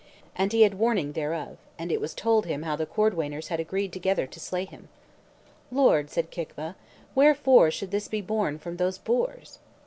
And he had warning thereof, and it was told him how the cordwainers had agreed together to slay him. "Lord," said Kicva, "wherefore should this be borne from these boors?"